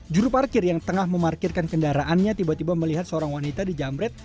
juru parkir yang tengah memarkirkan kendaraannya tiba tiba melihat seorang wanita dijamret